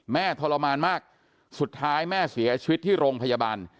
ทรมานมากสุดท้ายแม่เสียชีวิตที่โรงพยาบาล